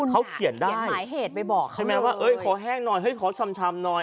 เขาเขียนได้ขอแห้งหน่อยขอชำชำหน่อย